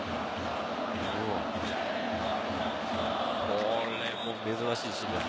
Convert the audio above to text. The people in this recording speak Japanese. これも珍しいシーンです。